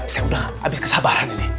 saya udah habis kesabaran ini